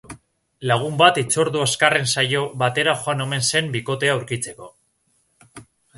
Lagun bat hitzordu azkarren saio batera joan omen zen bikotea aurkitzeko.